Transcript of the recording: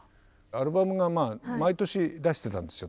アルバムが毎年出してたんですよ。